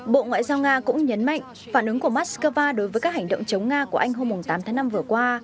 bộ ngoại giao nga cũng nhấn mạnh phản ứng của moscow đối với các hành động chống nga của anh hôm tám tháng năm vừa qua